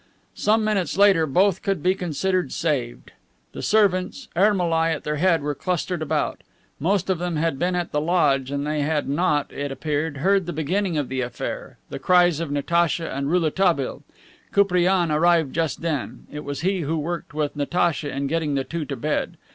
Some minutes later both could be considered saved. The servants, Ermolai at their head, were clustered about. Most of them had been at the lodge and they had not, it appeared, heard the beginning of the affair, the cries of Natacha and Rouletabille. Koupriane arrived just then. It was he who worked with Natacha in getting the two to bed.